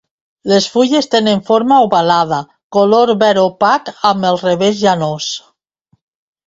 Les fulles tenen forma ovalada, color verd opac amb el revés llanós.